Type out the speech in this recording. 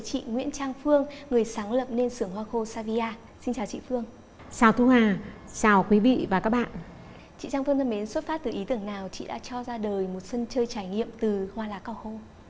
chị trang phương thân mến xuất phát từ ý tưởng nào chị đã cho ra đời một sân chơi trải nghiệm từ hoa lá cầu không